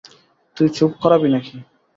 তুই চুপ করাবি নাকি?